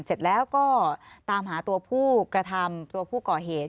เสร็จแล้วก็ตามหาตัวผู้กระทำตัวผู้ก่อเหตุ